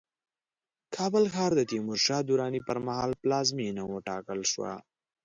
کابل ښار د تیمورشاه دراني پرمهال پلازمينه وټاکل شوه